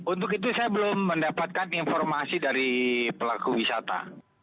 untuk itu saya belum mendapatkan informasi dari pelaku wisata